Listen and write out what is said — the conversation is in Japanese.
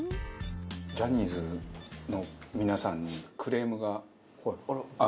ジャニーズの皆さんにクレームがあるんですけど。